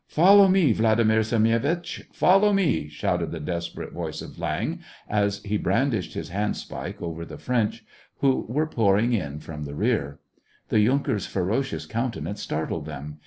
" Follow me, Vladimir Semyonitch ! Follow me !" shouted the desperate voice of Viang, as he brandished his handspike over the French, who were pouring in from the rear. The yunker's ferocious countenance startled them.